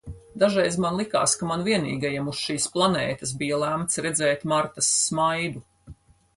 Dažreiz man likās, ka man vienīgajam uz šīs planētas bija lemts redzēt Martas smaidu.